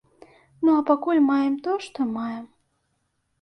Ну, а пакуль маем тое, што маем.